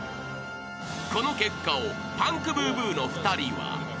［この結果をパンクブーブーの２人は］